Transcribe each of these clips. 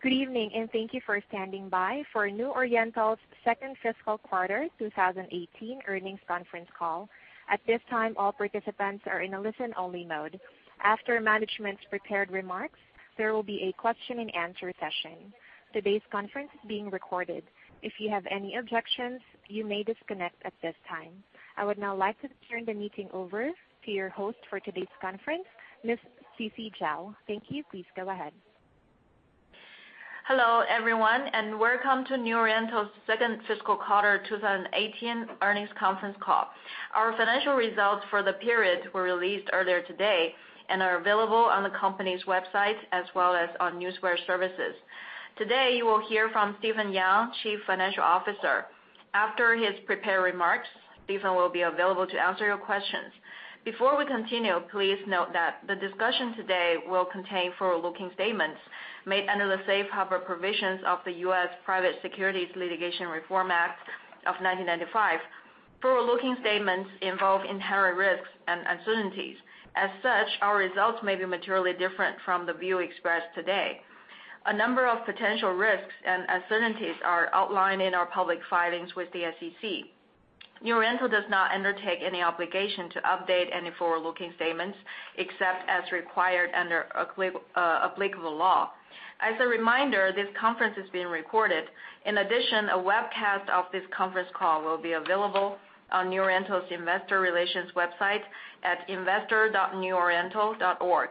Good evening, and thank you for standing by for New Oriental's second fiscal quarter 2018 earnings conference call. At this time, all participants are in a listen-only mode. After management's prepared remarks, there will be a question and answer session. Today's conference is being recorded. If you have any objections, you may disconnect at this time. I would now like to turn the meeting over to your host for today's conference, Ms. Sisi Zhao. Thank you. Please go ahead. Hello, everyone, and welcome to New Oriental's second fiscal quarter 2018 earnings conference call. Our financial results for the period were released earlier today and are available on the company's website as well as on Newswire services. Today, you will hear from Stephen Yang, Chief Financial Officer. After his prepared remarks, Stephen will be available to answer your questions. Before we continue, please note that the discussion today will contain forward-looking statements made under the safe harbor provisions of the U.S. Private Securities Litigation Reform Act of 1995. Forward-looking statements involve inherent risks and uncertainties. As such, our results may be materially different from the view expressed today. A number of potential risks and uncertainties are outlined in our public filings with the SEC. New Oriental does not undertake any obligation to update any forward-looking statements, except as required under applicable law. As a reminder, this conference is being recorded. In addition, a webcast of this conference call will be available on New Oriental's investor relations website at investor.neworiental.org.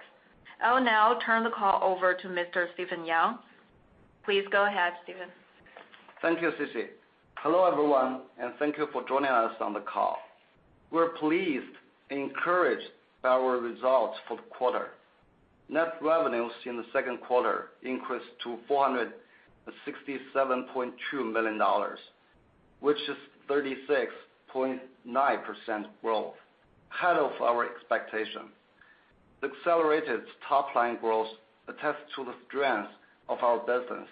I will now turn the call over to Mr. Stephen Yang. Please go ahead, Stephen. Thank you, Sisi. Hello, everyone, and thank you for joining us on the call. We're pleased and encouraged by our results for the quarter. Net revenues in the second quarter increased to $467.2 million, which is 36.9% growth, ahead of our expectation. Accelerated top-line growth attests to the strength of our business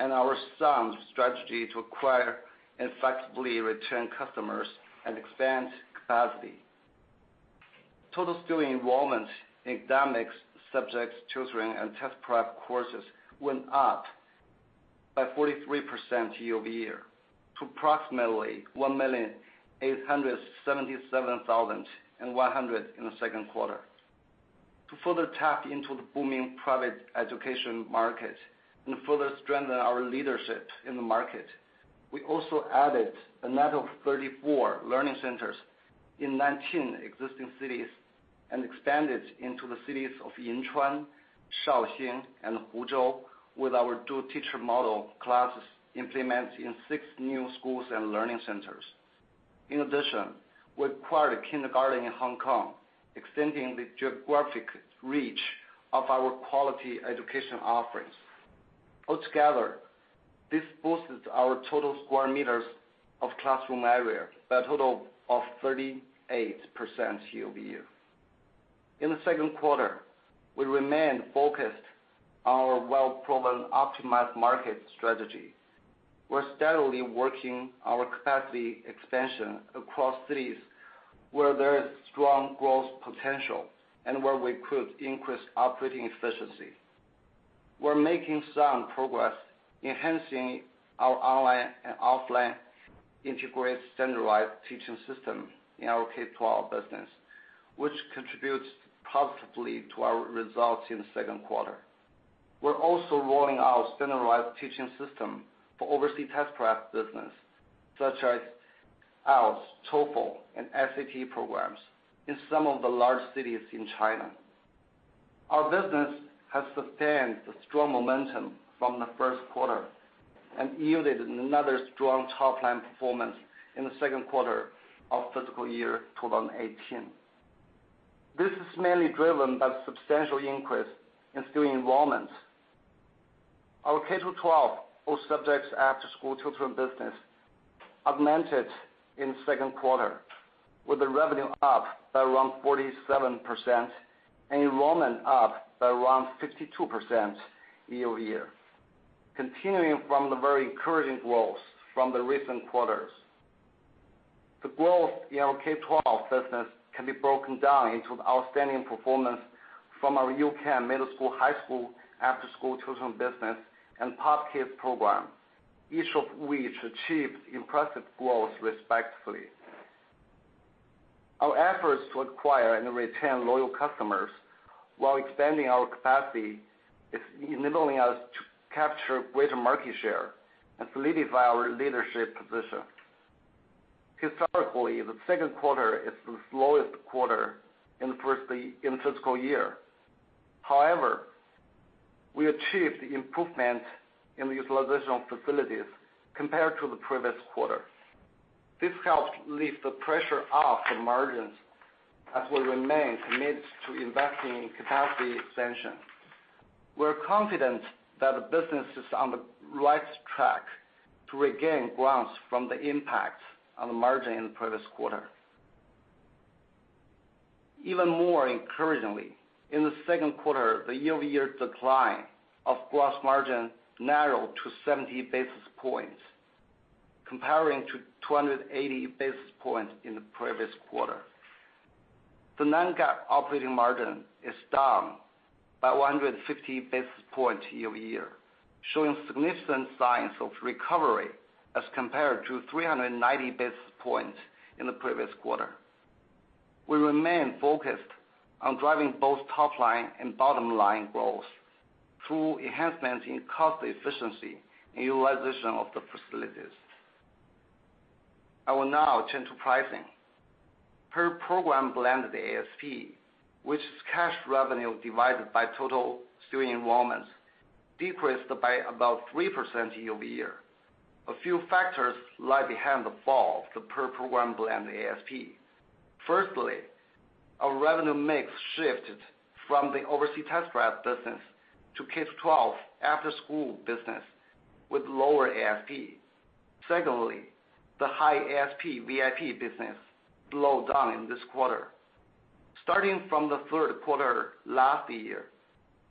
and our sound strategy to acquire and effectively return customers and expand capacity. Total student enrollment in academic subjects, tutoring, and test prep courses went up by 43% year-over-year to approximately 1,877,100 in the second quarter. To further tap into the booming private education market and further strengthen our leadership in the market, we also added a net of 34 learning centers in 19 existing cities and expanded into the cities of Yinchuan, Shaoxing, and Huzhou with our dual teacher model classes implemented in six new schools and learning centers. In addition, we acquired a kindergarten in Hong Kong, extending the geographic reach of our quality education offerings. Altogether, this boosts our total square meters of classroom area by a total of 38% year-over-year. In the second quarter, we remained focused on our well-proven optimized market strategy. We are steadily working our capacity expansion across cities where there is strong growth potential and where we could increase operating efficiency. We are making sound progress enhancing our online and offline integrated standardized teaching system in our K-12 business, which contributes positively to our results in the second quarter. We are also rolling out standardized teaching system for overseas test prep business, such as IELTS, TOEFL, and SAT programs in some of the large cities in China. Our business has sustained the strong momentum from the first quarter and yielded another strong top-line performance in the second quarter of fiscal year 2018. This is mainly driven by substantial increase in student enrollments. Our K-12 all subjects after school tutoring business augmented in the second quarter, with the revenue up by around 47% and enrollment up by around 52% year-over-year, continuing from the very encouraging growth from the recent quarters. The growth in our K-12 business can be broken down into outstanding performance from our U-Can middle school, high school, after-school tutoring business, and POP Kids program, each of which achieved impressive growth respectively. Our efforts to acquire and retain loyal customers while expanding our capacity is enabling us to capture greater market share and solidify our leadership position. Historically, the second quarter is the slowest quarter in the fiscal year. However, we achieved improvement in the utilization of facilities compared to the previous quarter. This helped lift the pressure off the margins as we remain committed to investing in capacity expansion. We are confident that the business is on the right track to regain grounds from the impact on the margin in the previous quarter. Even more encouragingly, in the second quarter, the year-over-year decline of gross margin narrowed to 70 basis points, comparing to 280 basis points in the previous quarter. The non-GAAP operating margin is down by 150 basis points year-over-year, showing significant signs of recovery as compared to 390 basis points in the previous quarter. We remain focused on driving both top-line and bottom-line growth through enhancements in cost efficiency and utilization of the facilities. I will now turn to pricing. Per program blended ASP, which is cash revenue divided by total student enrollments, decreased by about 3% year-over-year. A few factors lie behind the fall of the per program blended ASP. Firstly, our revenue mix shifted from the overseas test-prep business to K-12 after-school business with lower ASP. Secondly, the high-ASP VIP business slowed down in this quarter. Starting from the third quarter last year,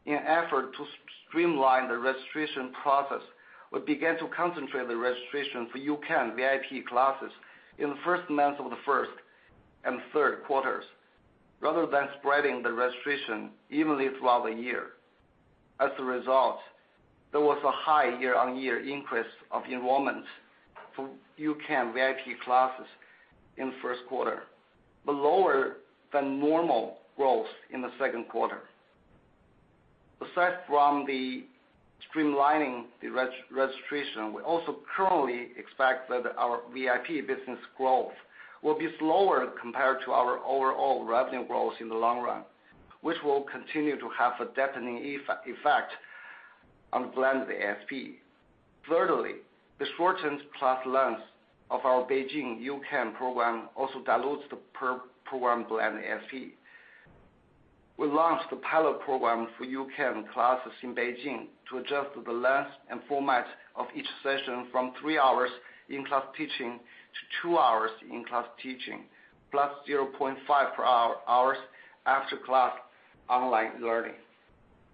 in an effort to streamline the registration process, we began to concentrate the registration for U-Can VIP classes in the first months of the first and third quarters, rather than spreading the registration evenly throughout the year. As a result, there was a high year-on-year increase of enrollments for U-Can VIP classes in the first quarter, but lower than normal growth in the second quarter. Aside from the streamlining the registration, we also currently expect that our VIP business growth will be slower compared to our overall revenue growth in the long run, which will continue to have a dampening effect on blended ASP. Thirdly, the shortened class length of our Beijing U-Can program also dilutes the per program blended ASP. We launched the pilot program for U-Can classes in Beijing to adjust the length and format of each session from 3 hours in-class teaching to 2 hours in-class teaching, plus 0.5 hours after-class online learning.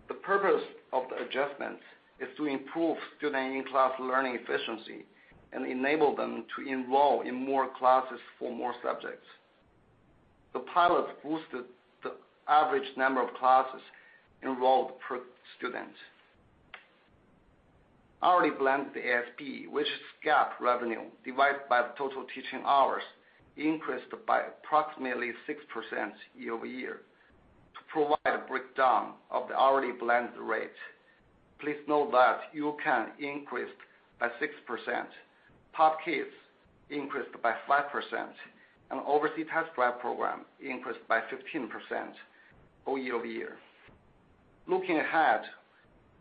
The purpose of the adjustments is to improve student in-class learning efficiency and enable them to enroll in more classes for more subjects. The pilot boosted the average number of classes enrolled per student. Hourly blended ASP, which is GAAP revenue divided by the total teaching hours, increased by approximately 6% year-over-year. To provide a breakdown of the hourly blended rate, please note that U-Can increased by 6%, POP Kids increased by 5%, and overseas test-prep program increased by 15% over year-over-year. Looking ahead,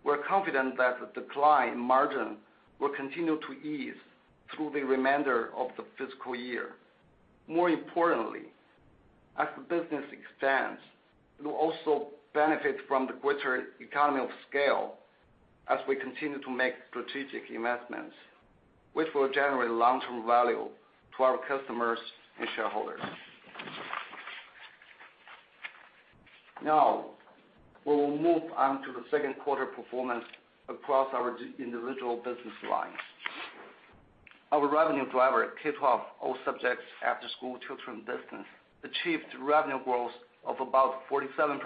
we're confident that the decline in margin will continue to ease through the remainder of the fiscal year. More importantly, as the business expands, we will also benefit from the greater economy of scale as we continue to make strategic investments, which will generate long-term value to our customers and shareholders. Now, we will move on to the second quarter performance across our individual business lines. Our revenue driver, K-12 All-Subjects after-school tutoring business, achieved revenue growth of about 47%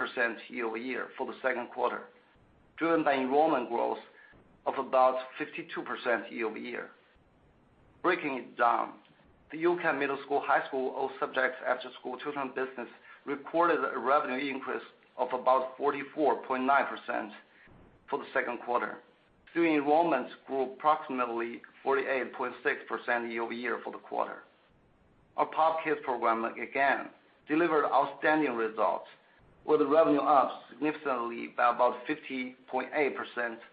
year-over-year for the second quarter, driven by enrollment growth of about 52% year-over-year. Breaking it down, the U-Can middle school, high school, all subjects after-school tutoring business reported a revenue increase of about 44.9% for the second quarter. Student enrollments grew approximately 48.6% year-over-year for the quarter. Our POP Kids program, again, delivered outstanding results with revenue up significantly by about 50.8%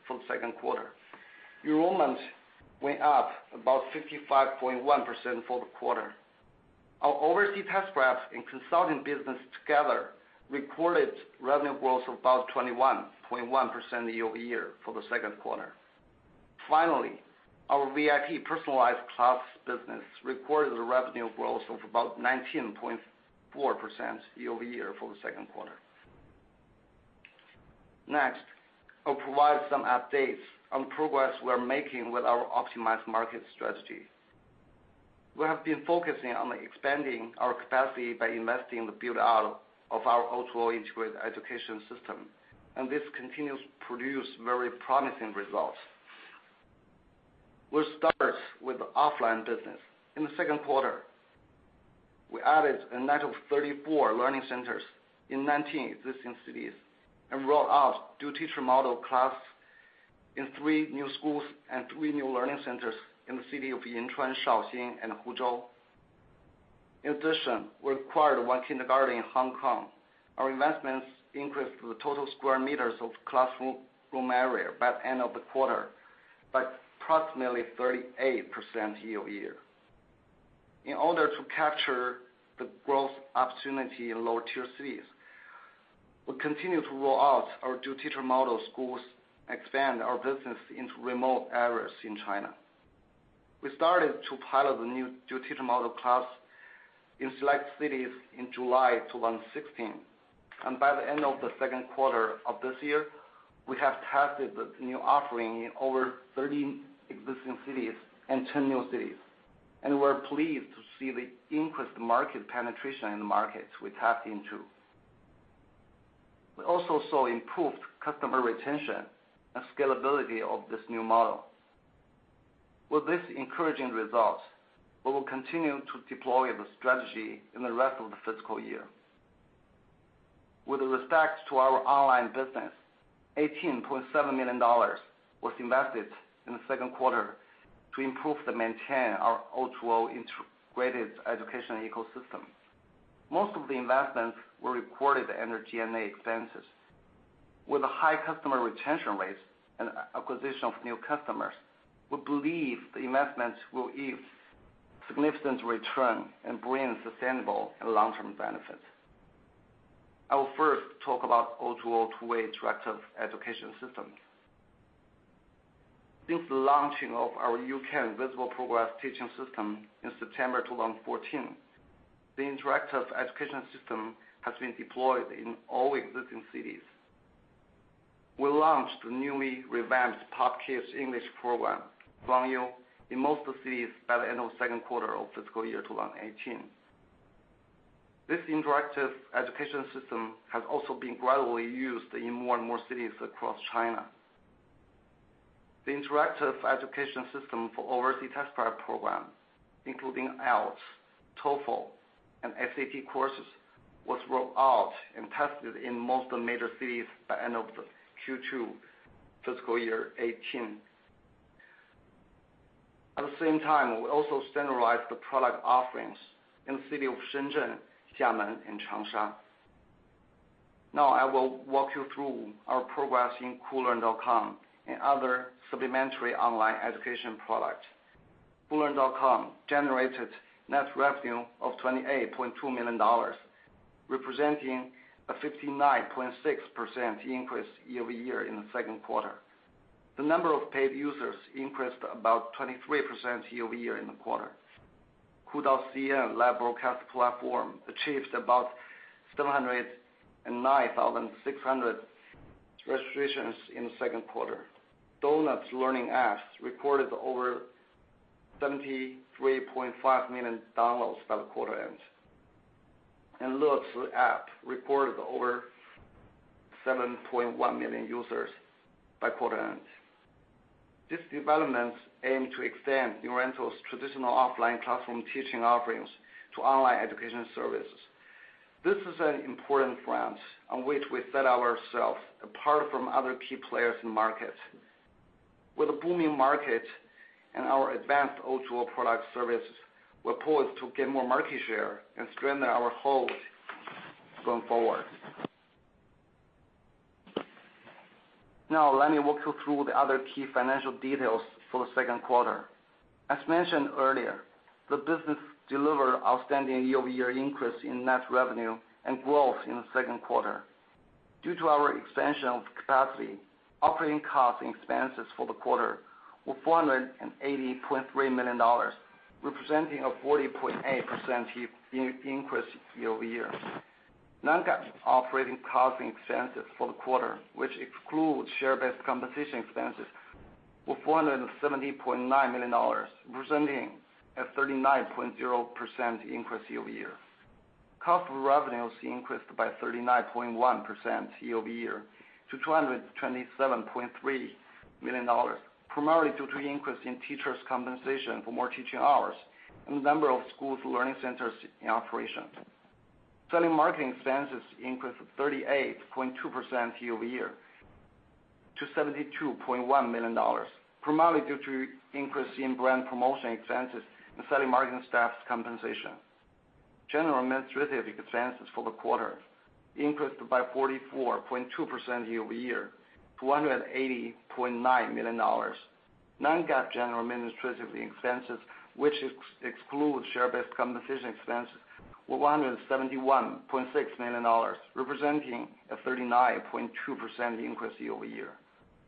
for the second quarter. Enrollment went up about 55.1% for the quarter. Our overseas test-prep and consulting business together reported revenue growth of about 21.1% year-over-year for the second quarter. Finally, our VIP personalized class business reported a revenue growth of about 19.4% year-over-year for the second quarter. Next, I'll provide some updates on progress we're making with our optimized market strategy. We have been focusing on expanding our capacity by investing in the build-out of our O2O integrated education system, and this continues to produce very promising results. We'll start with the offline business. In the second quarter, we added a net of 34 learning centers in 19 existing cities and rolled out new teacher model class in 3 new schools and 3 new learning centers in the city of Yinchuan, Shaoxing, and Huzhou. In addition, we acquired 1 kindergarten in Hong Kong. Our investments increased the total square meters of classroom area by the end of the quarter by approximately 38% year-over-year. In order to capture the growth opportunity in lower-tier cities, we continue to roll out our new teacher model schools and expand our business into remote areas in China. We started to pilot the new teacher model class in select cities in July 2016. By the end of the second quarter of this year, we have tested the new offering in over 30 existing cities and 10 new cities, and we're pleased to see the increased market penetration in the markets we tapped into. We also saw improved customer retention and scalability of this new model. With these encouraging results, we will continue to deploy the strategy in the rest of the fiscal year. With respect to our online business, $18.7 million was invested in the second quarter to improve and maintain our O2O integrated education ecosystem. Most of the investments were recorded under G&A expenses. With high customer retention rates and acquisition of new customers, we believe the investments will yield significant return and bring sustainable and long-term benefits. I will first talk about O2O two-way interactive education system. Since the launching of our U-Can Visible Progress teaching system in September 2014, the interactive education system has been deployed in all existing cities. We launched the newly revamped POP Kids English program, Wangyou, in most of the cities by the end of second quarter of fiscal year 2018. This interactive education system has also been gradually used in more and more cities across China. The interactive education system for overseas test-prep programs, including IELTS, TOEFL, and SAT courses, was rolled out and tested in most of the major cities by end of the Q2 fiscal year 2018. At the same time, we also standardized the product offerings in the city of Shenzhen, Xiamen, and Changsha. Now, I will walk you through our progress in Koolearn.com and other supplementary online education product. Koolearn.com generated net revenue of $28.2 million, representing a 59.6% increase year-over-year in the second quarter. The number of paid users increased about 23% year-over-year in the quarter. Kudou.cn live broadcast platform achieved about 709,600 registrations in the second quarter. Donut learning apps reported over 73.5 million downloads by the quarter end. Luoshu app reported over 7.1 million users by quarter end. These developments aim to extend New Oriental's traditional offline classroom teaching offerings to online education services. This is an important front on which we set ourselves apart from other key players in the market. With a booming market and our advanced O2O product service, we are poised to gain more market share and strengthen our hold going forward. Now, let me walk you through the other key financial details for the second quarter. As mentioned earlier, the business delivered outstanding year-over-year increase in net revenue and growth in the second quarter. Due to our expansion of capacity, operating costs and expenses for the quarter were $480.3 million, representing a 40.8% increase year-over-year. Non-GAAP operating costs and expenses for the quarter, which excludes share-based compensation expenses, were $470.9 million, representing a 39.0% increase year-over-year. Cost of revenues increased by 39.1% year-over-year to $227.3 million, primarily due to the increase in teachers' compensation for more teaching hours and the number of schools learning centers in operation. Selling marketing expenses increased 38.2% year-over-year to $72.1 million, primarily due to increase in brand promotion expenses and selling marketing staff's compensation. General and administrative expenses for the quarter increased by 44.2% year-over-year to $180.9 million. Non-GAAP general and administrative expenses, which excludes share-based compensation expenses, were $171.6 million, representing a 39.2% increase year-over-year,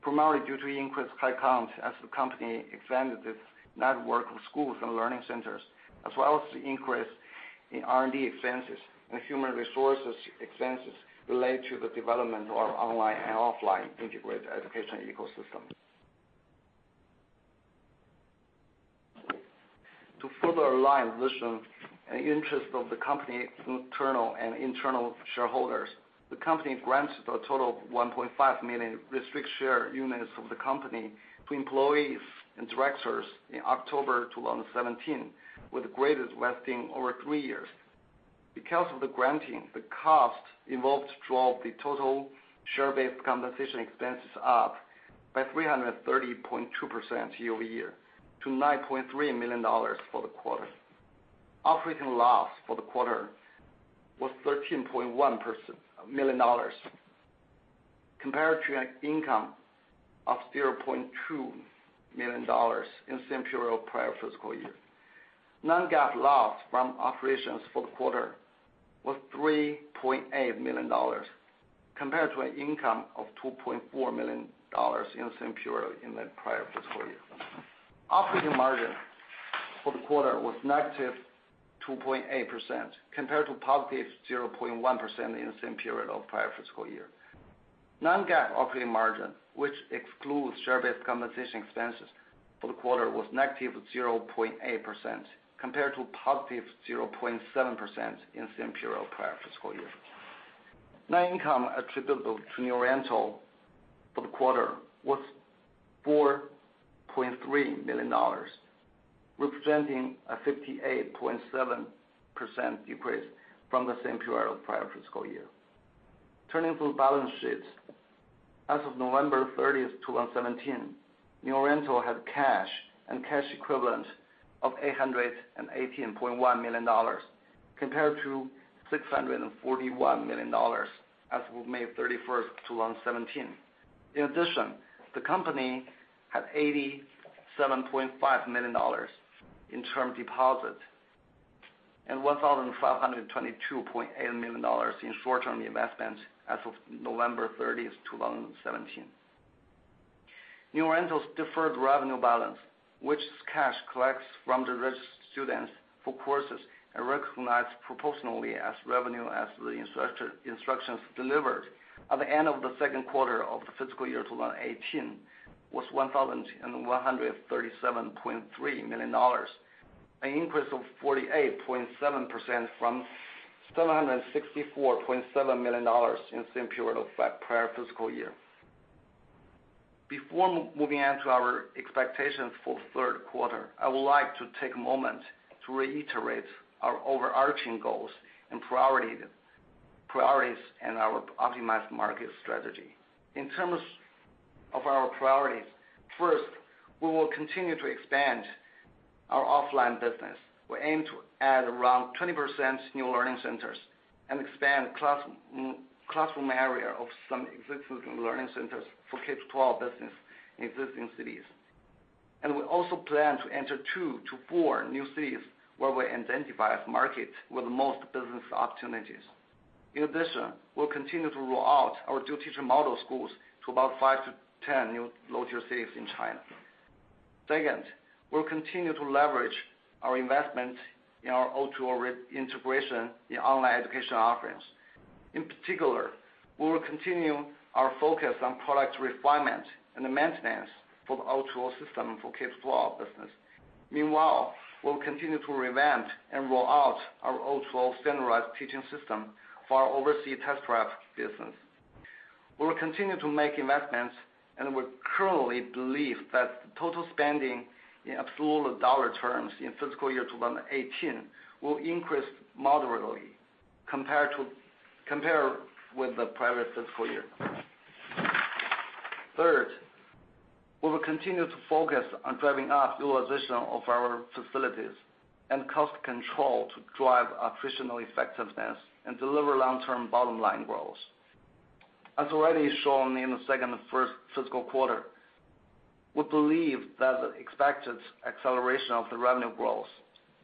primarily due to increased head count as the company expanded its network of schools and learning centers, as well as the increase in R&D expenses and human resources expenses related to the development of our online and offline integrated education ecosystem. To further align vision and interest of the company internal and internal shareholders, the company granted a total of 1.5 million restricted share units of the company to employees and directors in October 2017, with graded vesting over three years. Because of the granting, the cost involved drove the total share-based compensation expenses up by 330.2% year-over-year to $9.3 million for the quarter. Operating loss for the quarter was $13.1 million compared to an income of $0.2 million in the same period of prior fiscal year. Non-GAAP loss from operations for the quarter was $3.8 million compared to an income of $2.4 million in the same period in the prior fiscal year. Operating margin for the quarter was negative 2.8%, compared to positive 0.1% in the same period of prior fiscal year. Non-GAAP operating margin, which excludes share-based compensation expenses for the quarter, was negative 0.8%, compared to positive 0.7% in the same period of prior fiscal year. Net income attributable to New Oriental for the quarter was $4.3 million, representing a 58.7% decrease from the same period of prior fiscal year. Turning to the balance sheet. As of November 30th, 2017, New Oriental had cash and cash equivalents of $818.1 million compared to $641 million as of May 31st, 2017. In addition, the company had $87.5 million in term deposits and $1,522.8 million in short-term investments as of November 30th, 2017. New Oriental's deferred revenue balance, which is cash collected from the registered students for courses and recognized proportionally as revenue as the instructions delivered at the end of the second quarter of the fiscal year 2018, was $1,137.3 million, an increase of 48.7% from $764.7 million in the same period of that prior fiscal year. Before moving on to our expectations for the third quarter, I would like to take a moment to reiterate our overarching goals and priorities and our optimized market strategy. In terms of our priorities, first, we will continue to expand our offline business. We aim to add around 20% new learning centers and expand classroom area of some existing learning centers for K-12 business in existing cities. We also plan to enter 2-4 new cities where we identify as markets with the most business opportunities. In addition, we'll continue to roll out our new teacher model schools to about 5-10 new low-tier cities in China. Second, we'll continue to leverage our investment in our O2O integration in online education offerings. In particular, we will continue our focus on product refinement and the maintenance for the O2O system for K-12 business. Meanwhile, we'll continue to revamp and roll out our O2O standardized teaching system for our overseas test prep business. We will continue to make investments, and we currently believe that total spending in absolute dollar terms in fiscal year 2018 will increase moderately compared with the prior fiscal year. Third, we will continue to focus on driving up utilization of our facilities and cost control to drive operational effectiveness and deliver long-term bottom-line growth. As already shown in the second and first fiscal quarter, we believe that the expected acceleration of the revenue growth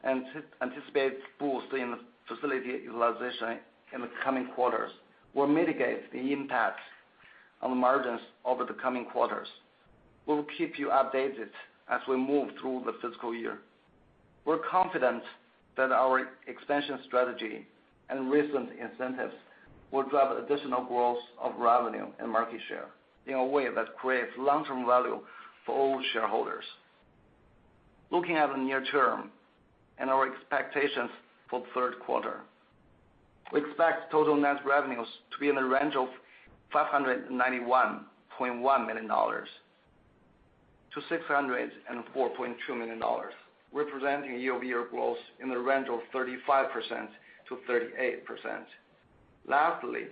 and anticipated boost in facility utilization in the coming quarters will mitigate the impact on the margins over the coming quarters. We will keep you updated as we move through the fiscal year. We're confident that our expansion strategy and recent incentives will drive additional growth of revenue and market share in a way that creates long-term value for all shareholders. Looking at the near term and our expectations for the third quarter, we expect total net revenues to be in the range of $591.1 million to $604.2 million, representing year-over-year growth in the range of 35%-38%. Lastly,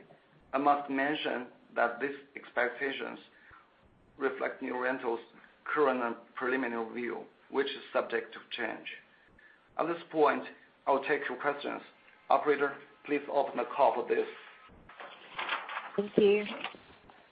I must mention that these expectations reflect New Oriental's current and preliminary view, which is subject to change. At this point, I will take your questions. Operator, please open the call for this. Thank you.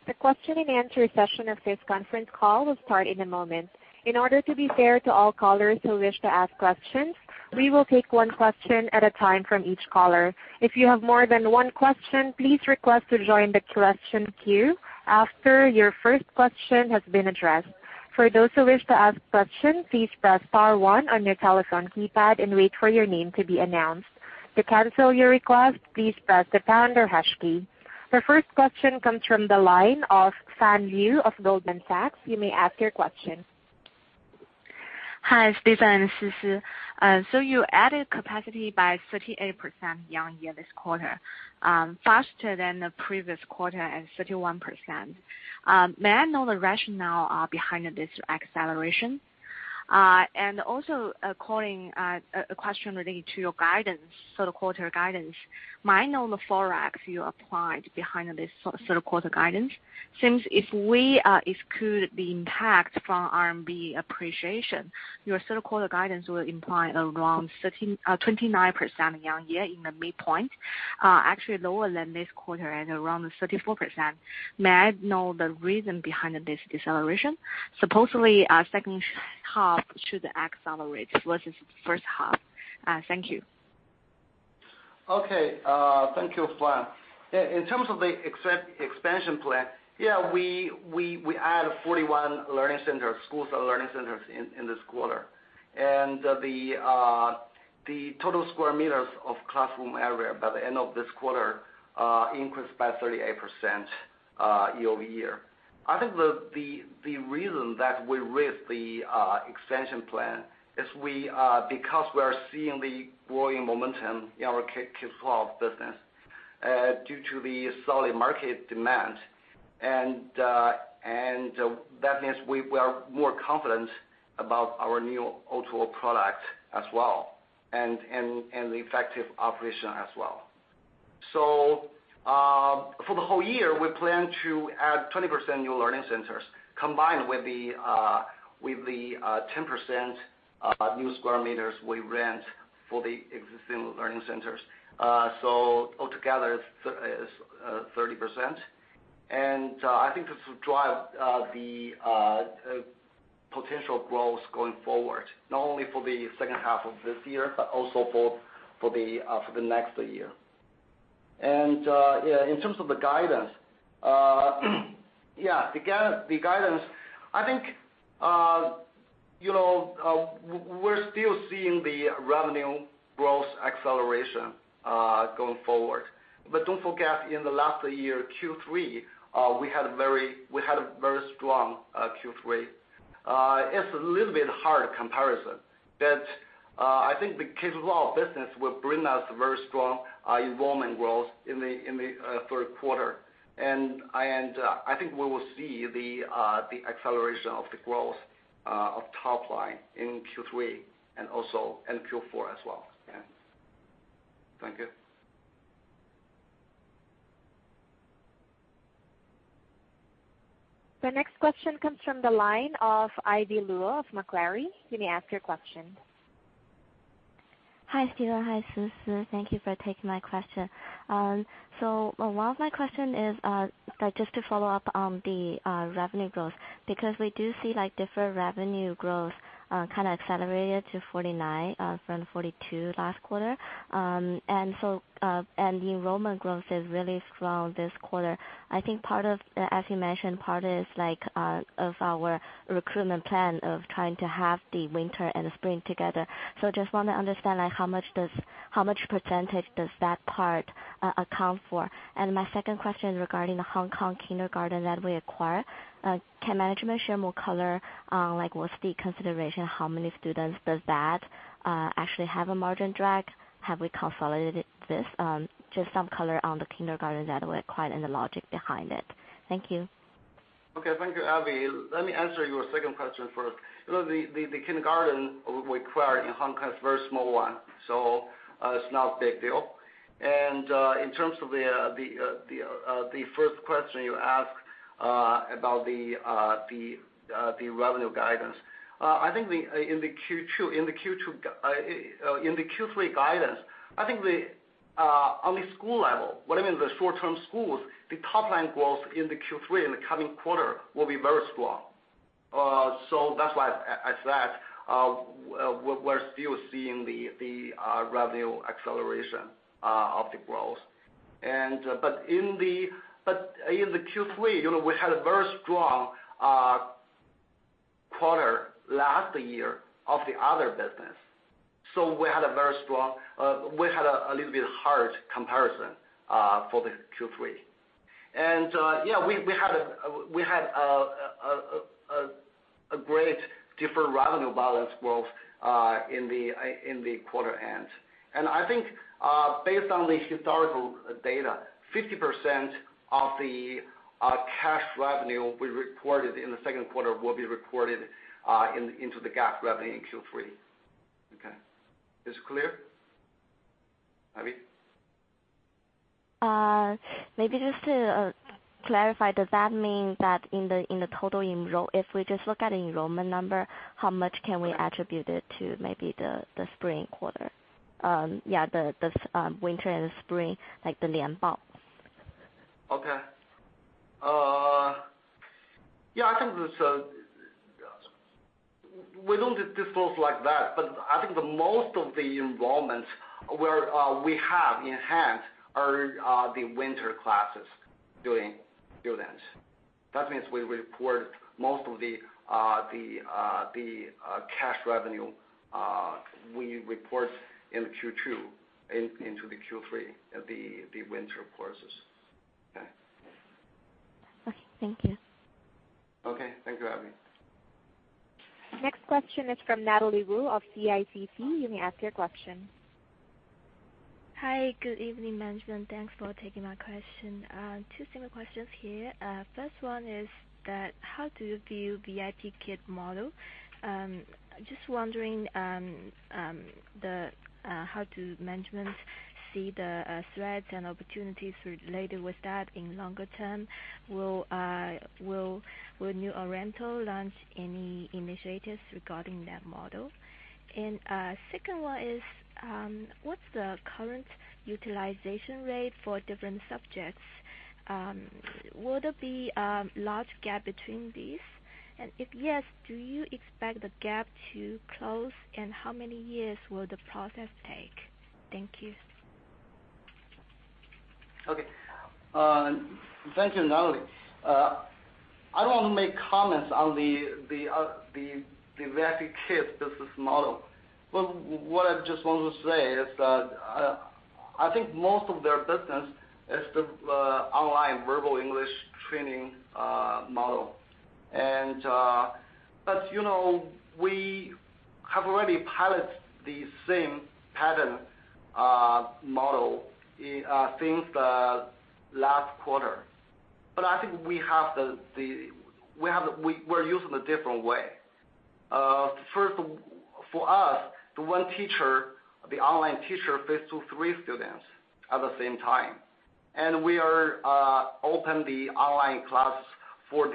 The question-and-answer session of this conference call will start in a moment. In order to be fair to all callers who wish to ask questions, we will take one question at a time from each caller. If you have more than one question, please request to join the question queue after your first question has been addressed. For those who wish to ask questions, please press star one on your telephone keypad and wait for your name to be announced. To cancel your request, please press the pound or hash key. The first question comes from the line of Fan Yu of Goldman Sachs. You may ask your question. Hi, Stephen, this is Susu. You added capacity by 38% year-on-year this quarter, faster than the previous quarter at 31%. May I know the rationale behind this acceleration? Also a question relating to your guidance, the quarter guidance. May I know the forex you applied behind this sort of quarter guidance? Since if we exclude the impact from RMB appreciation, your third quarter guidance will imply around 29% year-on-year in the midpoint, actually lower than this quarter at around 34%. May I know the reason behind this deceleration? Supposedly, second half should accelerate versus first half. Thank you. Okay. Thank you, Fan. In terms of the expansion plan, yeah, we add 41 learning centers, schools or learning centers in this quarter. The total square meters of classroom area by the end of this quarter increased by 38% year-over-year. I think the reason that we raised the expansion plan is because we are seeing the growing momentum in our K-12 business due to the solid market demand. That means we are more confident about our new O2O product as well, and the effective operation as well. For the whole year, we plan to add 20% new learning centers, combined with the 10% new square meters we rent for the existing learning centers. Altogether is 30%. I think this will drive the potential growth going forward, not only for the second half of this year, but also for the next year. In terms of the guidance. The guidance, I think, we're still seeing the revenue growth acceleration going forward. Don't forget, in the last year, Q3, we had a very strong Q3. It's a little bit hard comparison, but I think the K-12 business will bring us very strong enrollment growth in the third quarter. I think we will see the acceleration of the growth of top line in Q3 and Q4 as well. Thank you. The next question comes from the line of Abby Luo of Macquarie. You may ask your question. Hi, Stephen. Hi, Sisi. Thank you for taking my question. One of my question is, just to follow up on the revenue growth, because we do see deferred revenue growth kind of accelerated to 49% from 42% last quarter. The enrollment growth is really strong this quarter. I think as you mentioned, part is of our recruitment plan of trying to have the winter and the spring together. Just want to understand how much percentage does that part account for? My second question is regarding the Hong Kong kindergarten that we acquire. Can management share more color, like what's the consideration? How many students does that actually have a margin drag? Have we consolidated this? Just some color on the kindergarten that we acquired and the logic behind it. Thank you. Okay. Thank you, Abby. Let me answer your second question first. The kindergarten we acquired in Hong Kong is very small one, so it's not big deal. In terms of the first question you asked about the revenue guidance. In the Q3 guidance, I think on the school level, what I mean the short-term schools, the top line growth in the Q3 and the coming quarter will be very strong. That's why I said, we're still seeing the revenue acceleration of the growth. In the Q3, we had a very strong quarter last year of the other business. We had a little bit hard comparison for the Q3. We had a great deferred revenue balance growth in the quarter end. I think, based on the historical data, 50% of the cash revenue we reported in the second quarter will be recorded into the GAAP revenue in Q3. Okay. Is that clear, Abby? Maybe just to clarify, does that mean that if we just look at enrollment number, how much can we attribute it to maybe the spring quarter? Yeah, the winter and the spring. Okay. We don't disclose like that, I think the most of the enrollments we have in hand are the winter classes students. That means most of the cash revenue, we report in Q2 into the Q3, the winter courses. Okay. Okay, thank you. Okay. Thank you, Abby. Next question is from Natalie Wu of CICC. You may ask your question. Hi. Good evening, management. Thanks for taking my question. Two simple questions here. First one is that how to view VIPKid model? Just wondering, how do management see the threats and opportunities related with that in longer term? Will New Oriental launch any initiatives regarding that model? Second one is, what's the current utilization rate for different subjects? Will there be a large gap between these? If yes, do you expect the gap to close, and how many years will the process take? Thank you. Okay. Thank you, Natalie. What I just want to say is that I think most of their business is the online verbal English training model. We have already piloted the same pattern model since the last quarter. I think we're using a different way. First, for us, the one online teacher faces two to three students at the same time. We open the online class for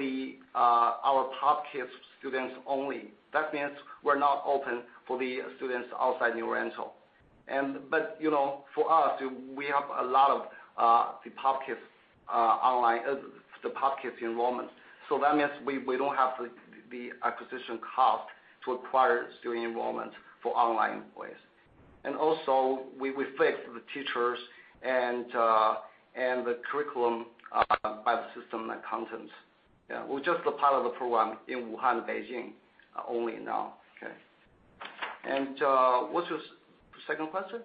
our POP Kids students only. That means we're not open for the students outside New Oriental. For us, we have a lot of the POP Kids enrollment. That means we don't have the acquisition cost to acquire student enrollment for online employees. Also, we fix the teachers and the curriculum by the system and content. Yeah. We're just pilot the program in Wuhan and Beijing only now. Okay. What's your second question?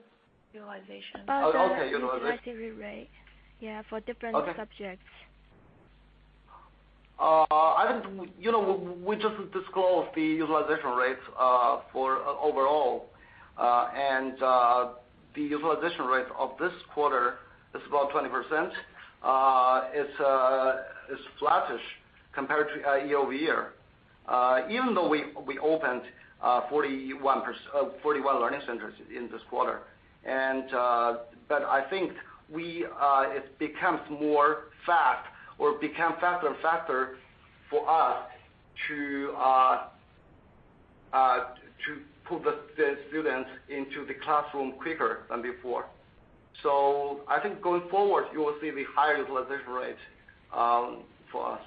Utilization. Okay, utilization. About the utilization rate. Okay subjects. We just disclosed the utilization rates for overall. The utilization rate of this quarter is about 20%. It's flattish compared to year-over-year. Even though we opened 41 learning centers in this quarter. I think it becomes faster and faster for us to put the students into the classroom quicker than before. I think going forward, you will see the higher utilization rate for us.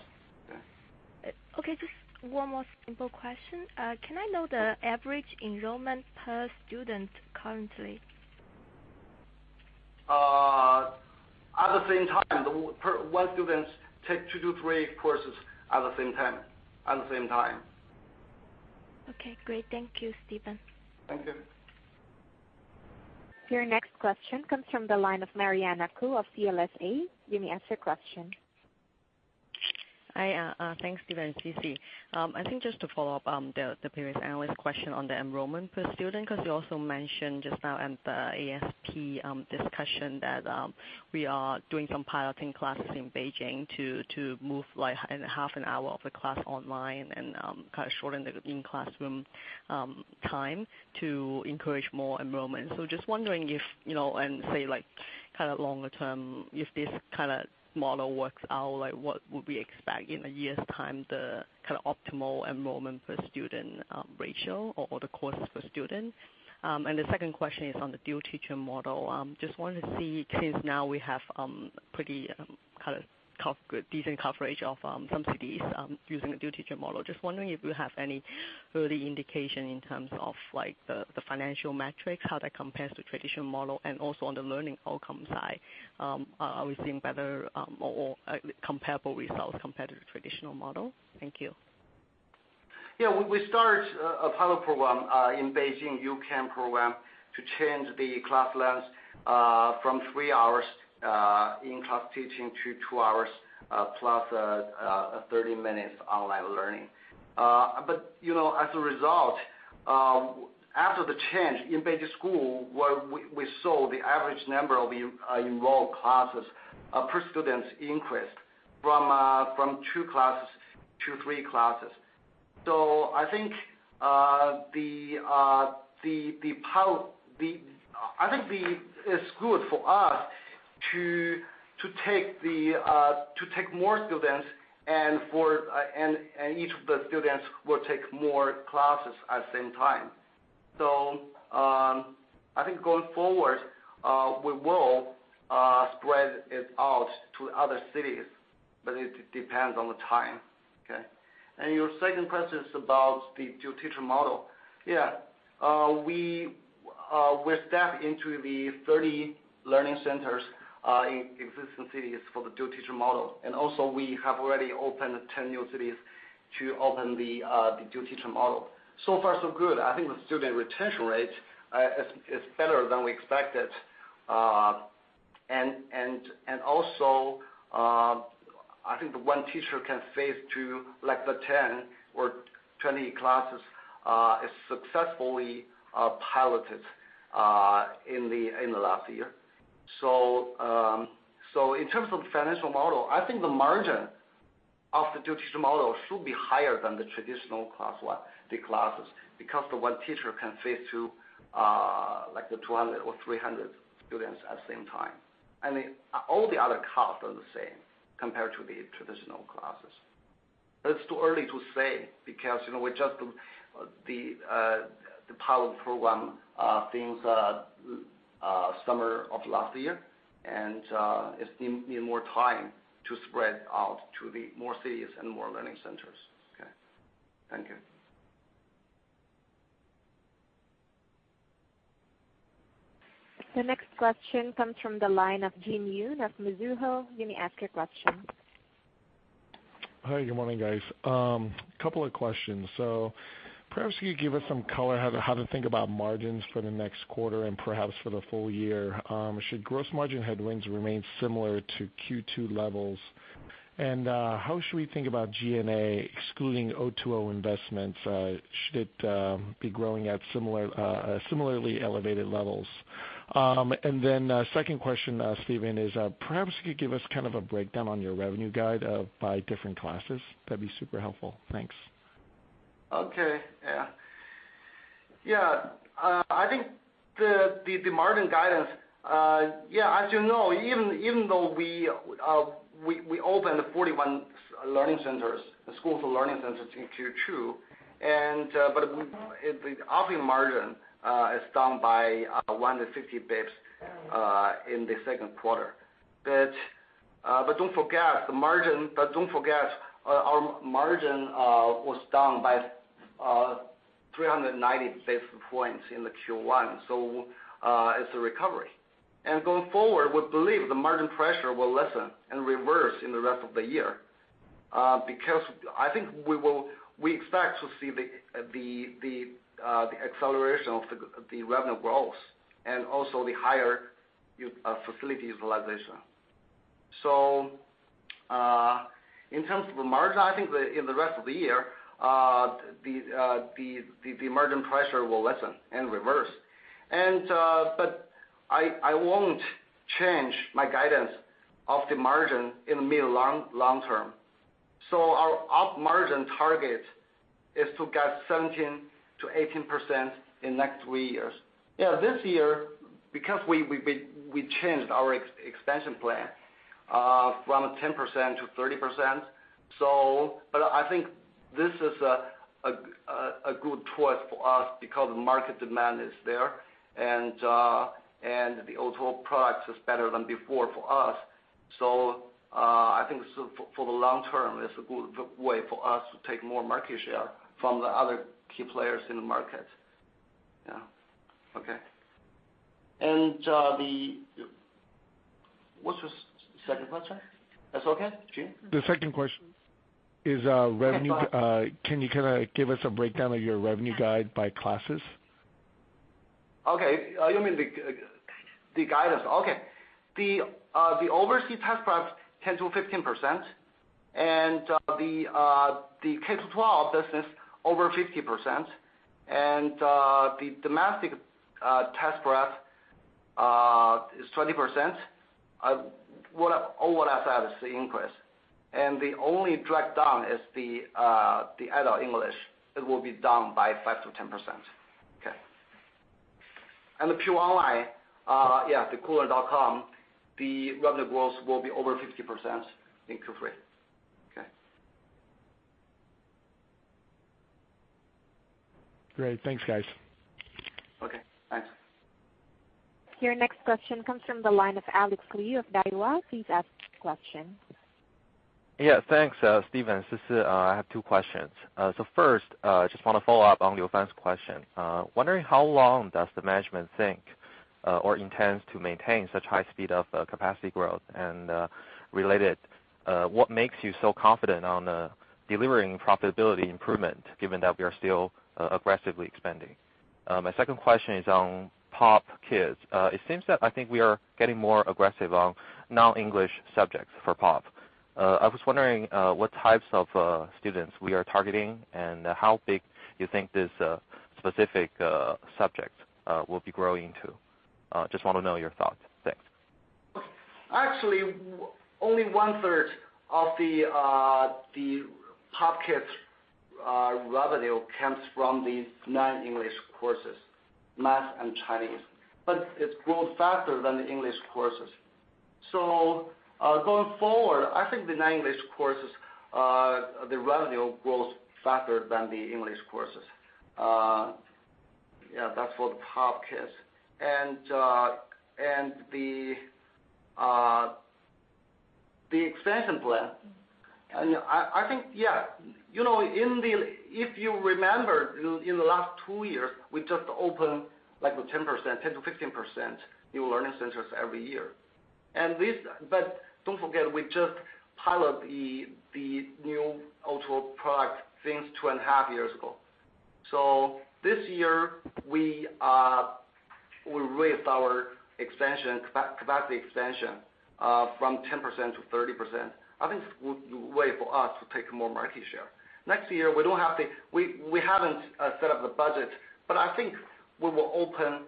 Yeah. Okay. Just one more simple question. Can I know the average enrollment per student currently? At the same time, one student takes two to three courses at the same time. Okay, great. Thank you, Stephen. Thank you. Your next question comes from the line of Mariana Kou of CLSA. You may ask your question. Hi. Thanks, Stephen and Sisi. Just wondering if, in say, longer term, if this kind of model works out, what would we expect in a year's time, the optimal enrollment per student ratio or the courses per student? The second question is on the dual teacher model. Just wanted to see, since now we have pretty decent coverage of some cities using the dual teacher model. Just wondering if you have any early indication in terms of the financial metrics, how that compares to traditional model, and also on the learning outcomes side. Are we seeing better or comparable results compared to the traditional model? Thank you. Yeah. We started a pilot program in Beijing, U-Can program, to change the class length from three hours in-class teaching to two hours plus 30 minutes online learning. As a result, after the change in Beijing school, we saw the average number of enrolled classes per student increased from 2 classes to 3 classes. I think it's good for us to take more students, and each of the students will take more classes at the same time. I think going forward, we will spread it out to other cities, but it depends on the time. Okay. Your second question is about the dual teacher model. Yeah. We stepped into the 30 learning centers in existing cities for the dual teacher model, and also we have already opened 10 new cities to open the dual teacher model. So far so good. I think the student retention rate is better than we expected. I think the one teacher can face 10 or 20 classes is successfully piloted in the last year. In terms of the financial model, I think the margin of the dual teacher model should be higher than the traditional classes, because one teacher can face 200 or 300 students at the same time. All the other costs are the same compared to the traditional classes. It is too early to say because we just did the pilot program since summer of last year, and it needs more time to spread out to more cities and more learning centers. Okay. Thank you. The next question comes from the line of Jin Yoon of Mizuho. You may ask your question. Hi, good morning, guys. Couple of questions. Perhaps you could give us some color how to think about margins for the next quarter and perhaps for the full year. Should gross margin headwinds remain similar to Q2 levels? How should we think about G&A excluding O2O investments? Should it be growing at similarly elevated levels? Second question, Stephen, is perhaps you could give us kind of a breakdown on your revenue guide by different classes. That'd be super helpful. Thanks. Yeah. I think the margin guidance, as you know, even though we opened 41 learning centers, the schools or learning centers in Q2, the operating margin is down by 150 basis points in the second quarter. Don't forget, our margin was down by 390 basis points in the Q1, it's a recovery. Going forward, we believe the margin pressure will lessen and reverse in the rest of the year, because I think we expect to see the acceleration of the revenue growth and also the higher facility utilization. In terms of the margin, I think in the rest of the year, the margin pressure will lessen and reverse. I won't change my guidance of the margin in the mid long-term. Our op margin target is to get 17%-18% in next three years. This year, because we changed our expansion plan from 10% to 30%, but I think this is a good twist for us because the market demand is there, and the O2O product is better than before for us. I think for the long term, it's a good way for us to take more market share from the other key players in the market. Yeah. Okay. What's your second question? That's okay, Jin? The second question is- Yeah Can you kind of give us a breakdown of your revenue guide by classes? Okay. You mean the guidance. Okay. The overseas test prep, 10%-15%, and the K-12 business, over 50%, and the domestic test prep is 20%, all outside is the increase. The only drag down is the adult English. It will be down by 5%-10%. Okay. The pure online, yeah, the Koolearn.com, the revenue growth will be over 50% in Q3. Okay. Great. Thanks, guys. Okay, thanks. Your next question comes from the line of Alex Li of Daiwa. Please ask your question. Yeah, thanks, Stephen. I have two questions. First, just want to follow up on Fan Yu's question. Wondering how long does the management think or intends to maintain such high speed of capacity growth? Related, what makes you so confident on delivering profitability improvement given that we are still aggressively expanding? My second question is on POP Kids. It seems that I think we are getting more aggressive on non-English subjects for POP. I was wondering what types of students we are targeting and how big you think this specific subject will be growing to. Just want to know your thoughts. Thanks. Only one-third of the POP Kids revenue comes from these non-English courses, math and Chinese. It's grown faster than the English courses. Going forward, I think the non-English courses, the revenue grows faster than the English courses. Yeah, that's for the POP Kids. The expansion plan, I think, yeah, if you remember in the last two years, we just opened like 10%-15% new learning centers every year. Don't forget, we just pilot the new O2O product since two and a half years ago. This year, we raised our capacity expansion from 10%-30%. I think it's a good way for us to take more market share. Next year, we haven't set up the budget, but I think we will open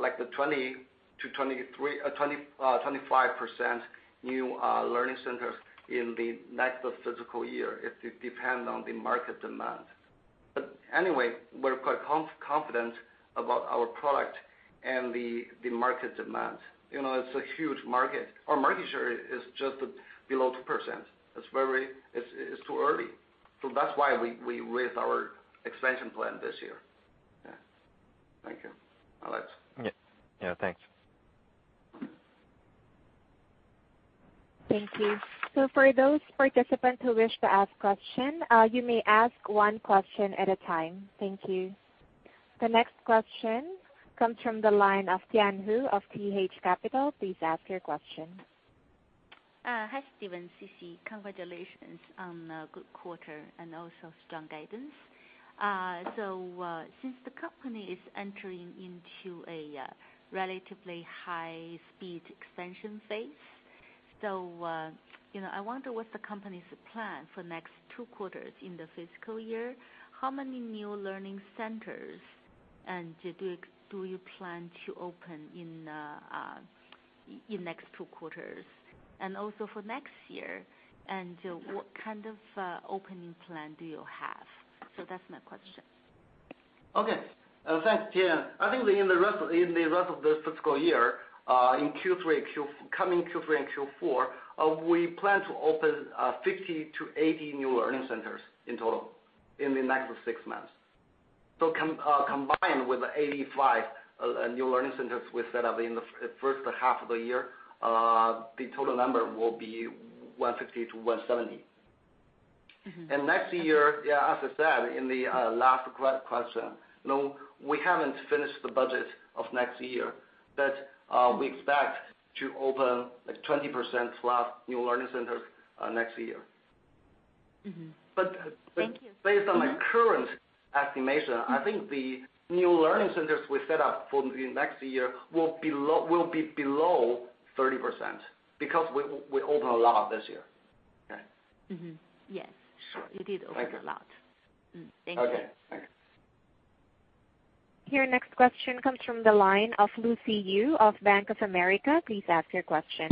like the 20%-25% new learning centers in the next fiscal year. It depend on the market demand. Anyway, we're quite confident about our product and the market demand. It's a huge market. Our market share is just below 2%. It's too early. That's why we raised our expansion plan this year. Yeah. Thank you, Alex. Yeah. Thanks. Thank you. For those participants who wish to ask question, you may ask one question at a time. Thank you. The next question comes from the line of Tian Hou of TH Capital. Please ask your question. Hi, Stephen Yang, Sisi Zhao. Congratulations on a good quarter and also strong guidance. Since the company is entering into a relatively high-speed expansion phase, I wonder what the company's plan for next two quarters in the fiscal year. How many new learning centers do you plan to open in next two quarters and also for next year? What kind of opening plan do you have? That's my question. Okay. Thanks, Tian Hou. I think in the rest of this fiscal year, coming Q3 and Q4, we plan to open 50 to 80 new learning centers in total in the next six months. Combined with the 85 new learning centers we set up in the first half of the year, the total number will be 160 to 170. Next year, as I said in the last question, we haven't finished the budget of next year, we expect to open 20% plus new learning centers next year. Thank you. Based on my current estimation, I think the new learning centers we set up for next year will be below 30%, because we opened a lot this year. Okay. Yes, sure. You did open a lot. Okay. Thank you. Okay, thanks. Your next question comes from the line of Lucy Yu of Bank of America. Please ask your question.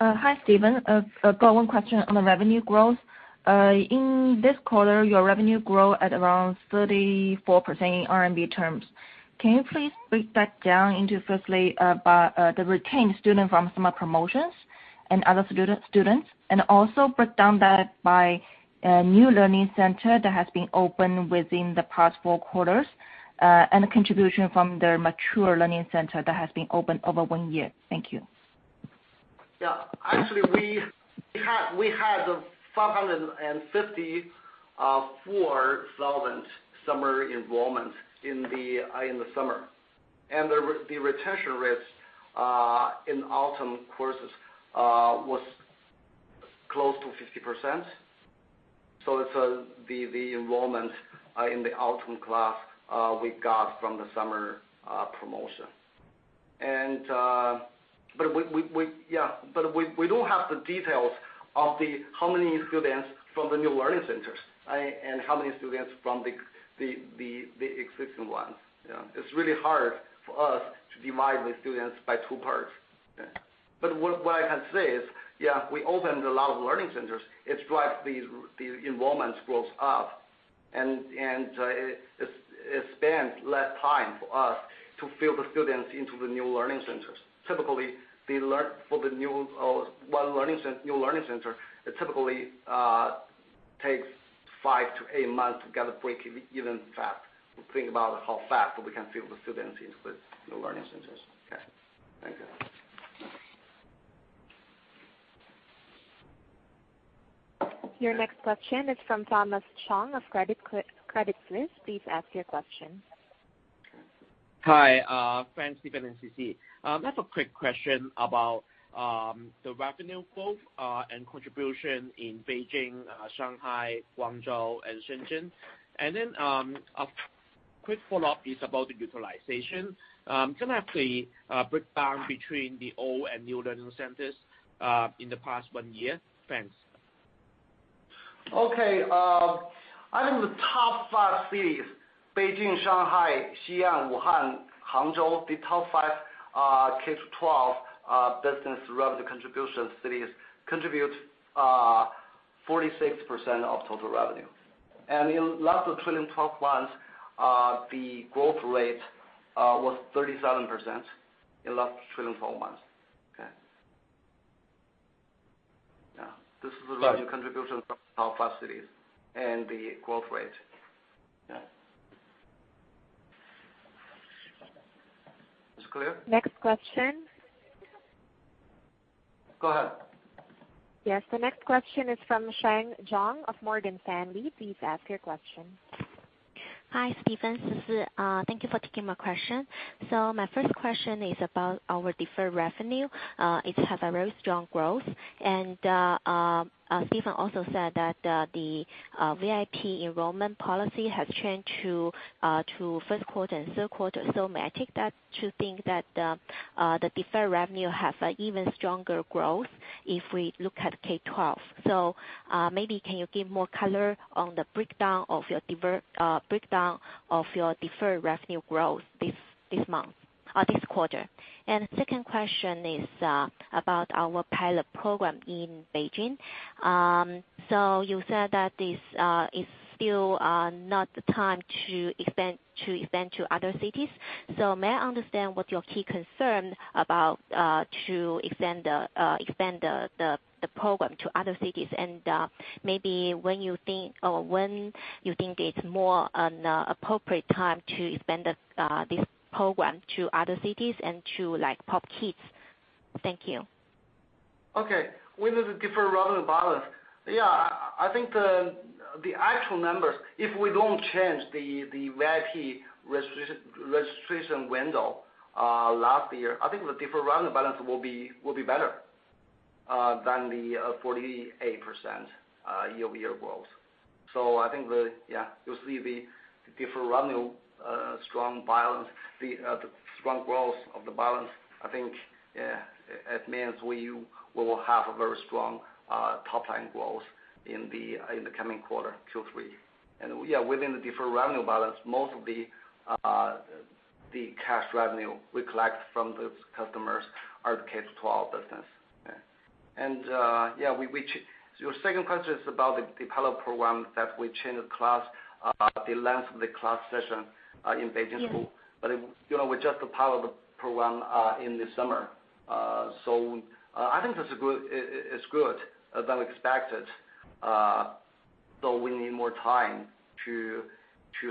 Hi, Stephen. I've got one question on the revenue growth. In this quarter, your revenue grow at around 34% in RMB terms. Can you please break that down into firstly, the retained student from summer promotions and other students, also break down that by new learning center that has been opened within the past four quarters, and the contribution from the mature learning center that has been opened over one year. Thank you. Yeah. Actually, we had 554,000 summer enrollments in the summer. The retention rates in autumn courses was close to 50%. It's the enrollment in the autumn class we got from the summer promotion. We don't have the details of how many students from the new learning centers and how many students from the existing ones. It's really hard for us to divide the students by two parts. What I can say is, yeah, we opened a lot of learning centers. It drives the enrollments growth up, and it spends less time for us to fill the students into the new learning centers. Typically, one new learning center, it typically takes five to eight months to get a [break-even effect]. We think about how fast we can fill the students into the new learning centers. Okay, thank you. Your next question is from Thomas Chung of Credit Suisse. Please ask your question. Hi. Thanks, Stephen and Sisi. I have a quick question about the revenue growth and contribution in Beijing, Shanghai, Guangzhou, and Shenzhen. A quick follow-up is about the utilization. Can I have the breakdown between the old and new learning centers in the past one year? Thanks. Okay. I think the top five cities, Beijing, Shanghai, Xi'an, Wuhan, Hangzhou, the top five K-12 business revenue contribution cities contribute 46% of total revenue. In last 12 months, the growth rate was 37% in last 12 months. Okay. This is the revenue contribution from the top five cities and the growth rate. Is it clear? Next question. Go ahead. Yes, the next question is from Sheng Zhang of Morgan Stanley. Please ask your question. Hi, Stephen, Sisi. Thank you for taking my question. My first question is about our deferred revenue. It has a very strong growth. Stephen also said that the VIP enrollment policy has changed to first quarter and third quarter. May I take that to think that the deferred revenue has even stronger growth if we look at K-12? Maybe can you give more color on the breakdown of your deferred revenue growth this quarter? Second question is about our pilot program in Beijing. You said that this is still not the time to expand to other cities. May I understand what your key concern about to expand the program to other cities, and maybe when you think it's more an appropriate time to expand this program to other cities and to POP Kids? Thank you. Okay, within the deferred revenue balance. Yeah, I think the actual numbers, if we don't change the VIP registration window last year, I think the deferred revenue balance will be better than the 48% year-over-year growth. I think, you'll see the deferred revenue strong balance, the strong growth of the balance. I think, it means we will have a very strong top-line growth in the coming quarter, Q3. Yeah, within the deferred revenue balance, most of the cash revenue we collect from the customers are the K-12 business. Yeah. Your second question is about the pilot program that we changed the length of the class session in Beijing school. Yes. We just pilot the program in the summer. I think that it's good than expected, though we need more time to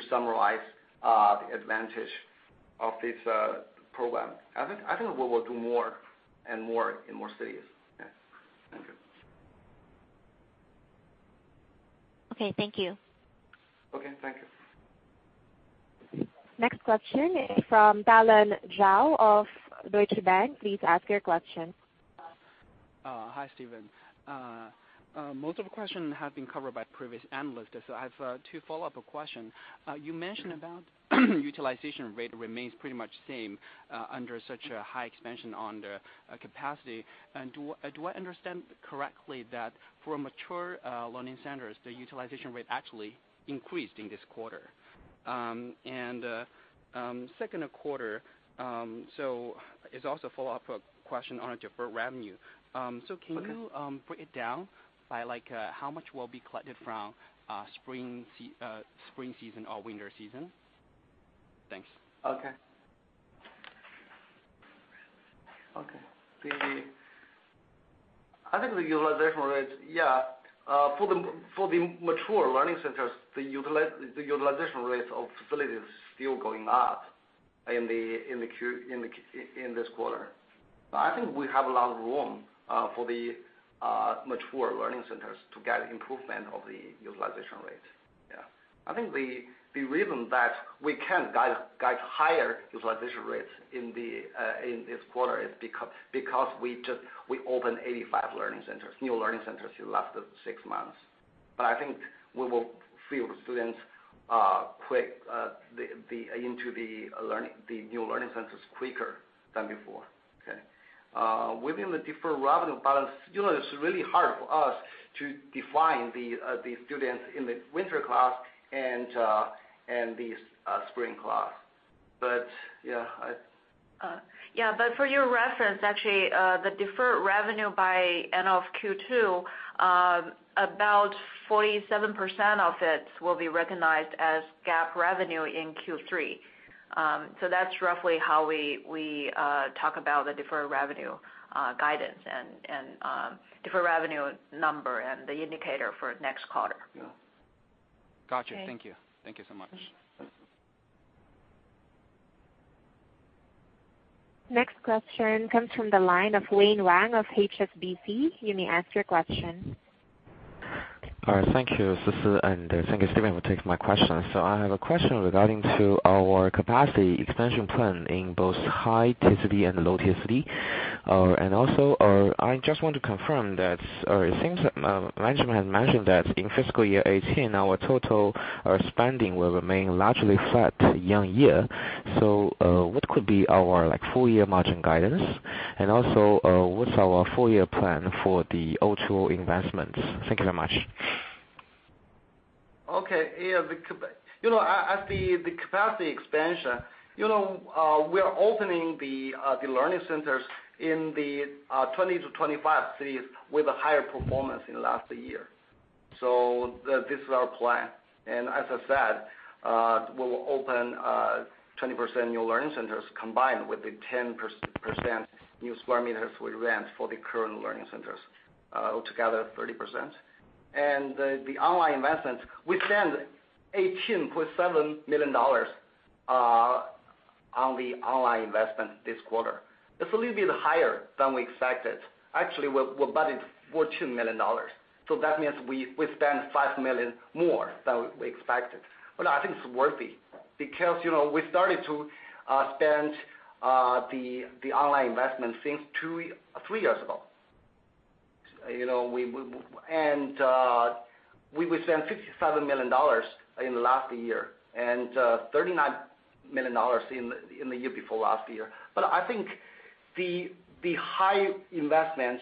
summarize the advantage of this program. I think we will do more and more in more cities. Yeah. Thank you. Okay. Thank you. Okay. Thank you. Next question is from Tallan Zhao of Deutsche Bank. Please ask your question. Hi, Stephen. Most of the question have been covered by previous analysts. I have two follow-up question. You mentioned about utilization rate remains pretty much same under such a high expansion on the capacity. Do I understand correctly that for mature learning centers, the utilization rate actually increased in this quarter? second quarter, it's also a follow-up question on deferred revenue. Okay Break it down by how much will be collected from spring season or winter season? Thanks. Okay. I think the utilization rates for the mature learning centers, the utilization rates of facilities still going up in this quarter. I think we have a lot of room for the mature learning centers to get improvement of the utilization rates. Yeah. I think the reason that we can't get higher utilization rates in this quarter is because we opened 85 learning centers, new learning centers in last six months. I think we will fill the students into the new learning centers quicker than before. Okay. Within the deferred revenue balance, it's really hard for us to define the students in the winter class and the spring class. For your reference, actually, the deferred revenue by end of Q2, about 47% of it will be recognized as GAAP revenue in Q3. That's roughly how we talk about the deferred revenue guidance, and deferred revenue number, and the indicator for next quarter. Yeah. Got you. Okay. Thank you. Thank you so much. Next question comes from the line of Wayne Wang of HSBC. You may ask your question. All right. Thank you, Sisi, and thank you, Stephen, for taking my question. I have a question regarding to our capacity expansion plan in both high-tier city and low-tier city. I just want to confirm that, it seems management has mentioned that in fiscal year 2018, our total spending will remain largely flat year-on-year. What could be our full-year margin guidance? What's our full-year plan for the O2O investments? Thank you very much. Okay. As the capacity expansion, we are opening the learning centers in the 20 to 25 cities with a higher performance in last year. This is our plan. As I said, we'll open 20% new learning centers combined with the 10% new square meters we rent for the current learning centers, altogether 30%. The online investments, we spent $18.7 million on the online investment this quarter. It's a little bit higher than we expected. Actually, we're budgeted $14 million. That means we spent $5 million more than we expected. I think it's worthy because we started to spend the online investment since three years ago. We spent $57 million in the last year and $39 million in the year before last year. I think the high investment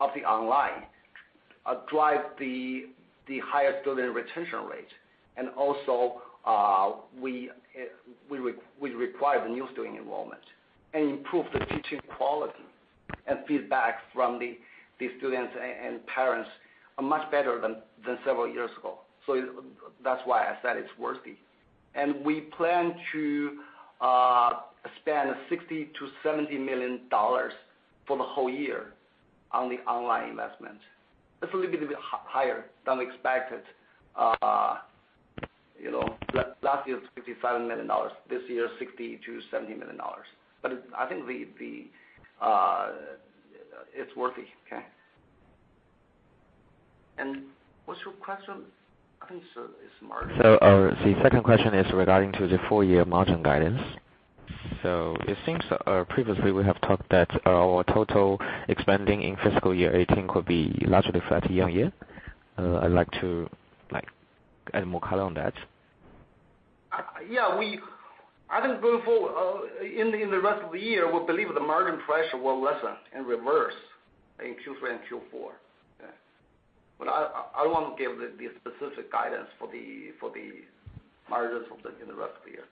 of the online drive the highest student retention rate, and also we require the new student enrollment, and improve the teaching quality, and feedback from the students and parents are much better than several years ago. That's why I said it's worthy. We plan to spend $60 million-$70 million for the whole year on the online investment. It's a little bit higher than we expected. Last year was $57 million. This year, $60 million-$70 million. I think it's worthy. Okay. What's your question? I think it's margin. The second question is regarding the full-year margin guidance. It seems previously we have talked that our total expanding in fiscal year 2018 could be largely flat year-on-year. I'd like to add more color on that. Yeah. I think going forward, in the rest of the year, we believe the margin pressure will lessen and reverse in Q3 and Q4. I won't give the specific guidance for the margins in the rest of the year.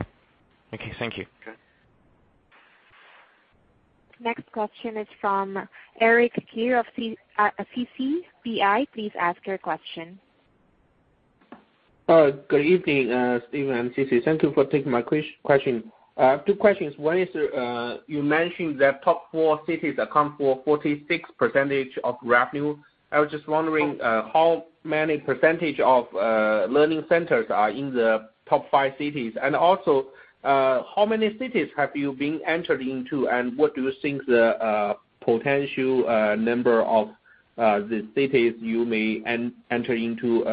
Yeah. Okay. Thank you. Okay. Next question is from Eric Qi of CCBI. Please ask your question. Good evening, Stephen and Sisi. Thank you for taking my question. I have two questions. One is, you mentioned that top four cities account for 46% of revenue. I was just wondering how many percentage of learning centers are in the top five cities, and also, how many cities have you been entered into, and what do you think the potential number of the cities you may enter into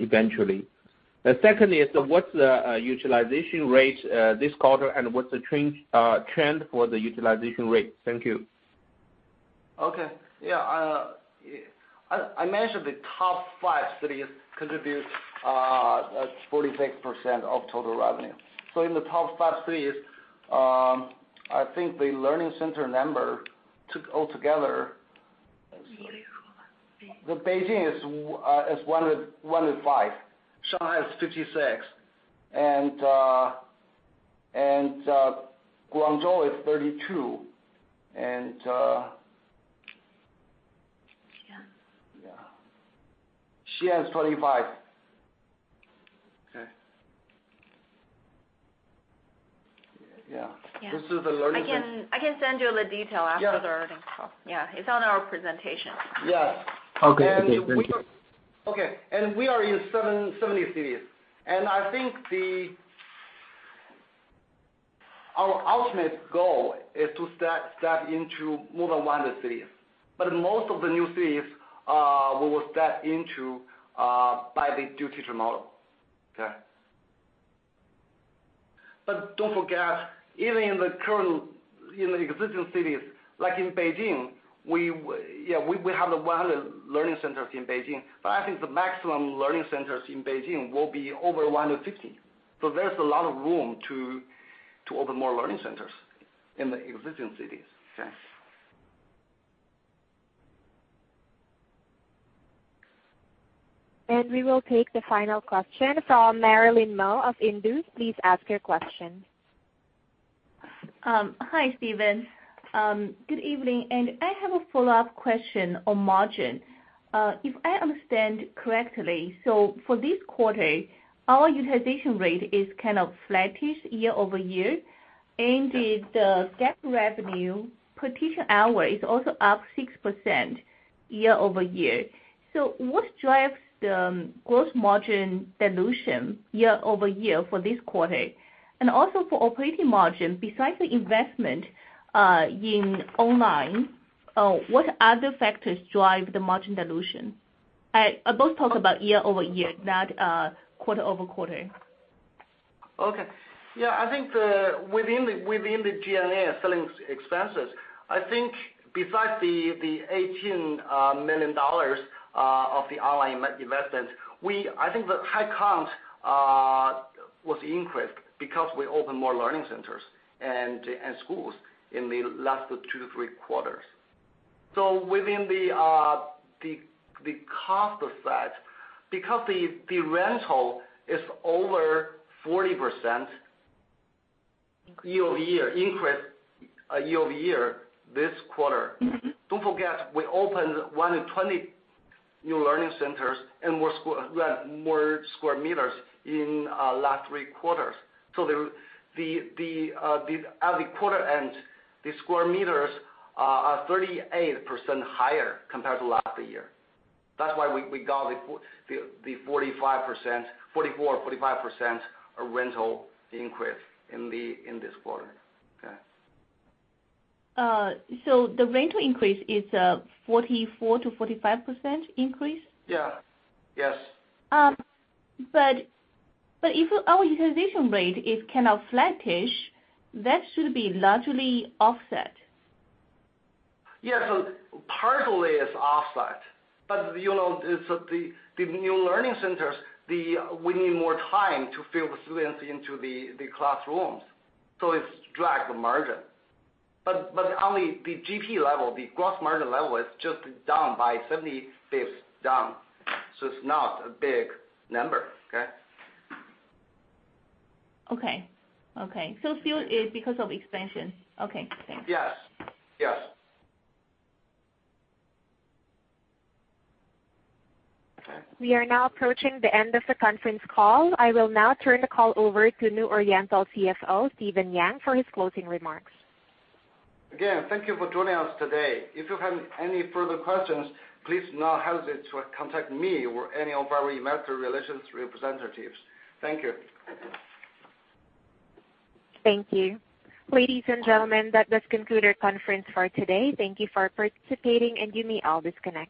eventually? The second is, what's the utilization rate this quarter, and what's the trend for the utilization rate? Thank you. Okay. Yeah. I mentioned the top five cities contribute 46% of total revenue. In the top five cities, I think the learning center number altogether The Beijing is 105, Shanghai is 56, and Guangzhou is 32, and Shenzhen is 25. Okay. Yeah. Yeah. This is the learning center- I can send you the detail after. Yeah the earnings call. Yeah, it's on our presentation. Yes. Okay. Thank you. Okay. We are in 70 cities. I think our ultimate goal is to step into more than 100 cities. Most of the new cities we will step into by the new teacher model. Okay. Don't forget, even in the existing cities, like in Beijing, we have 100 learning centers in Beijing, but I think the maximum learning centers in Beijing will be over 150. There's a lot of room to open more learning centers in the existing cities. Yeah. We will take the final question from Marilyn Mo of Indus Capital. Please ask your question. Hi, Stephen. Good evening. I have a follow-up question on margin. If I understand correctly, for this quarter, our utilization rate is kind of flattish year-over-year. The GAAP revenue per teacher hour is also up 6% year-over-year. What drives the gross margin dilution year-over-year for this quarter? Also for operating margin, besides the investment in online, what other factors drive the margin dilution? Both talk about year-over-year, not quarter-over-quarter. I think within the G&A selling expenses, I think besides the $18 million of the online investments, I think the head count was increased because we opened more learning centers and schools in the last two to three quarters. Within the cost side, because the rental is over 40% year-over-year increase this quarter, don't forget we opened 120 new learning centers and more sq m in the last three quarters. At the quarter end, the sq m are 38% higher compared to last year. That's why we got the 44% or 45% rental increase in this quarter. The rental increase is a 44%-45% increase? Yeah. Yes. If our utilization rate is kind of flattish, that should be largely offset. Yeah. Partly it's offset, but the new learning centers, we need more time to fill the students into the classrooms. It drags the margin. On the GP level, the gross margin level is just down by 75 basis points down. It's not a big number. Okay? Okay. Still it's because of expansion. Okay, thanks. Yes. Okay. We are now approaching the end of the conference call. I will now turn the call over to New Oriental CFO, Stephen Yang, for his closing remarks. Again, thank you for joining us today. If you have any further questions, please do not hesitate to contact me or any of our investor relations representatives. Thank you. Thank you. Ladies and gentlemen, that does conclude our conference for today. Thank you for participating, and you may all disconnect.